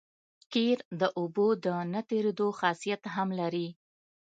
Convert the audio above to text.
قیر د اوبو د نه تېرېدو خاصیت هم لري